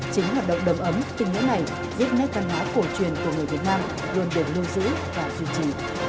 chính hoạt động đầm ấm tình nghĩa này giúp nét văn hóa cổ truyền của người việt nam luôn được lưu giữ và duy trì